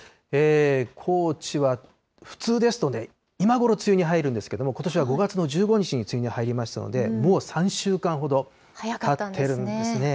高知は普通ですとね、今ごろ梅雨に入るんですけれども、ことしは５月の１５日に梅雨に入りましたので、もう３週間ほどたってるんですね。